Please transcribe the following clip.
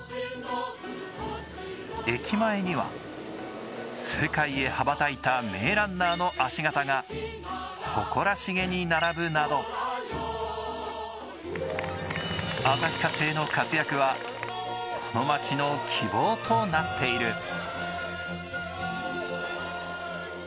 駅前には世界へ羽ばたいた名ランナーの足形が誇らしげに並ぶなど旭化成の活躍は、この町の希望となっている。